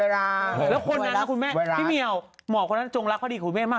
แล้วคนนั้นพี่เหมียวหมอกงานจงรักพอดีของคุณแม่มาก